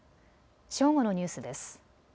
正午のニュースです。